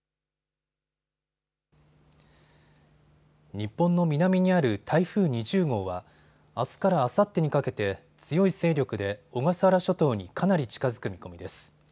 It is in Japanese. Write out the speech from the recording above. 日本の南にある台風２０号はあすからあさってにかけて強い勢力で小笠原諸島にかなり近づく見込みです。